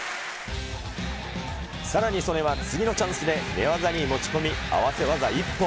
さらに素根は次のチャンスで寝技に持ち込み、合わせ技一本。